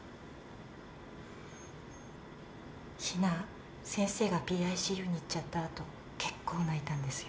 日菜先生がＰＩＣＵに行っちゃった後結構泣いたんですよ。